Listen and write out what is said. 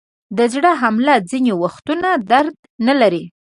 د زړه حمله ځینې وختونه درد نلري.